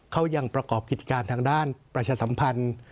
เขายังประกอบกิจการทางด้านประชาสัมพันธ์